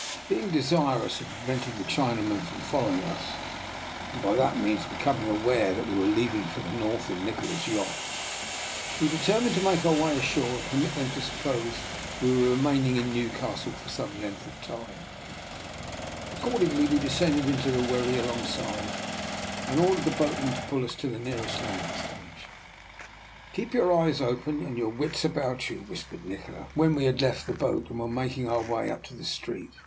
Being desirous of preventing the Chinaman from following us and by that means becoming aware that we were leaving for the north in Nikola's yacht, we determined to make our way ashore and permit them to suppose that we were remain ing in Newcastle for some length of time. Accordingly we descended into the wherry alongside, and ordered the boatman to pull us to the nearest landing stage. " Keep your eyes open and your wits DR. NIKOLA'S EXPERIMENT. 137 about you," whispered Nikola, when we had left the boat and were making our way up to the street.